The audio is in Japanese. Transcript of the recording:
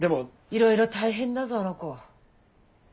いろいろ大変だぞあの子。